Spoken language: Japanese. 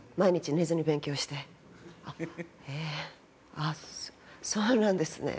あっそうなんですね。